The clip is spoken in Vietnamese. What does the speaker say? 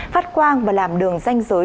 phát quang và làm đường danh dối